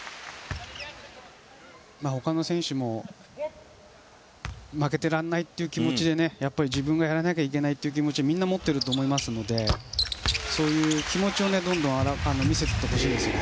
他の選手も負けていられないという気持ちで自分がやらなきゃいけないという気持ちはみんな持っていると思いますのでそういう気持ちをどんどん見せてほしいですね。